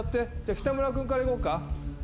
北村君からいこうか？